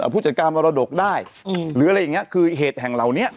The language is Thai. ผู้จัดการมรดกได้หรืออะไรอย่างนี้คือเหตุแห่งเหล่านี้